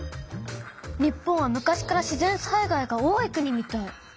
日本は昔から自然災害が多い国みたい。